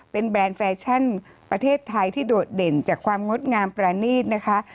เป็นแบรนด์แฟชั่นประเทศไทยที่โดดเด่นจากความงดงามประนีตนะคะ